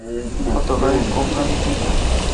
Otorgar el "cofrade ejemplar"